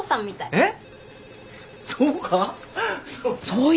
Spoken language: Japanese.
えっ？